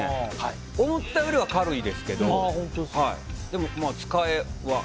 思ったよりは軽いですけどでも、使えはしない。